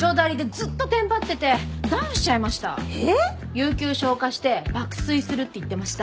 有休消化して爆睡するって言ってました。